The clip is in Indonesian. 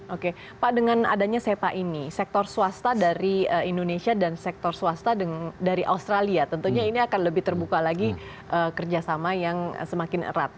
oke pak dengan adanya sepa ini sektor swasta dari indonesia dan sektor swasta dari australia tentunya ini akan lebih terbuka lagi kerjasama yang semakin erat